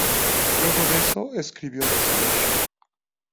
Luego de eso escribió The Selection.